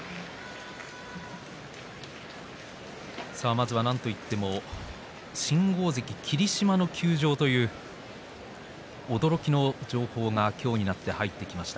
まずは、なんといっても新大関霧島の休場という驚きの情報が今日になって入ってきました。